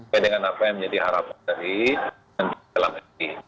beda dengan apa yang menjadi harapan dari nanti dalam ini